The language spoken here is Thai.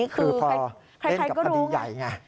คือพอเล่นกับคดีใหญ่ไง